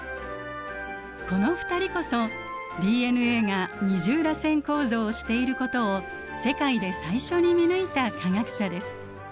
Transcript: この２人こそＤＮＡが二重らせん構造をしていることを世界で最初に見抜いた科学者です。